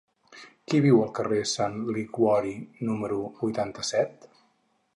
Qui viu al carrer de Sant Liguori número vuitanta-set?